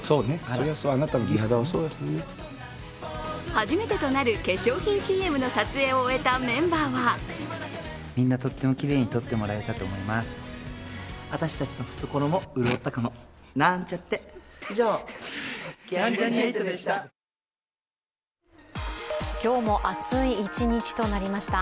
初めてとなる化粧品ＣＭの撮影を終えたメンバーは今日も暑い一日となりました。